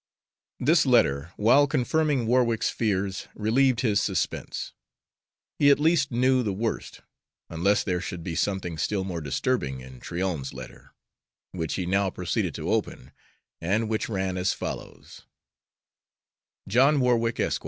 This letter, while confirming Warwick's fears, relieved his suspense. He at least knew the worst, unless there should be something still more disturbing in Tryon's letter, which he now proceeded to open, and which ran as follows: JOHN WARWICK, ESQ.